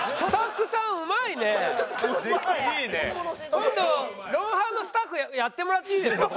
今度『ロンハー』のスタッフやってもらっていいですか？